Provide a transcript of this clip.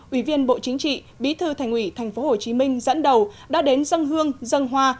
ủy viên bộ chính trị bí thư thành ủy tp hcm dẫn đầu đã đến dâng hương dâng hoa